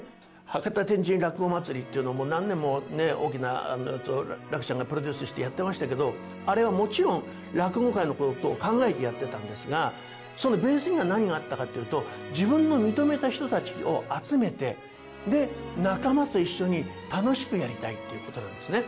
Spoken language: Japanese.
博多・天神落語まつりっていうのもね、何年もね、大きなやつを楽ちゃんがプロデュースしてやってましたけど、あれはもちろん、落語界のことを考えてやってたんですが、そのベースには何があったかっていうと、自分の認めた人たちを集めて、で、仲間と一緒に楽しくやりたいっていうことなんですね。